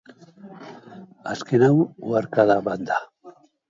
Azken hau, uharka bat da.